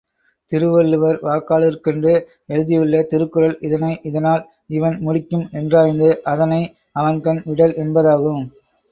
திருவள்ளுவர், வாக்காளருக்கென்று எழுதியுள்ள திருக்குறள் இதனை இதனால் இவன் முடிக்கும் என்றாய்ந்து அதனை அவன்கண் விடல் என்பதாகும்.